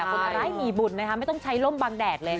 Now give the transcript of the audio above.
บนอะไรมีบุญนะคะไม่ต้องใช่ล่มบังแดดเลย